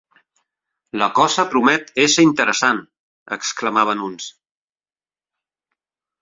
-La cosa promet ésser interessant!- exclamaven uns.